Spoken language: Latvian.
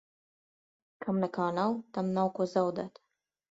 Kam nekā nav, tam nav ko zaudēt.